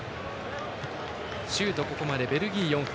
シュート、ここまでベルギー４本。